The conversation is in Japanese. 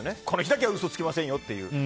この日だけは嘘つきませんよっていう。